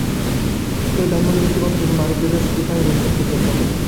পরে ধানমন্ডির একটি বাসা থেকে মারুফ রেজার স্ত্রী ফাহিমা ইসলামকে গ্রেপ্তার করে।